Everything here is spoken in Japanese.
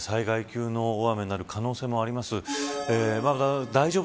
武井さん各地で災害級の大雨になる可能性もあります。